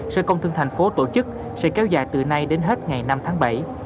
sở công thương thành phố tổ chức sẽ kéo dài từ nay đến hết ngày năm tháng bảy